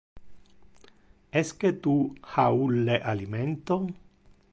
Esque tu ha ulle alimento?